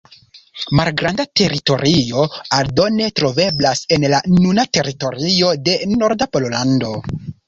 Malgranda teritorio aldone troveblas en la nuna teritorio de norda Pollando.